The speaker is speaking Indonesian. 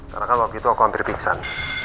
karena kalau begitu aku antri pingsan